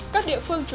các địa phương chú ý